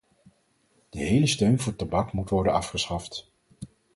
De hele steun voor tabak moet worden afgeschaft.